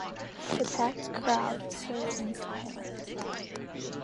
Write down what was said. The packed crowd stood in silence.